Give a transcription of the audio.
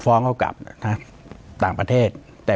ปากกับภาคภูมิ